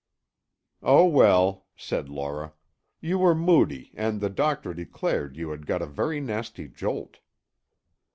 "Oh, well," said Laura. "You were moody and the doctor declared you had got a very nasty jolt."